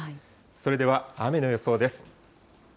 それでは、雨の予想です。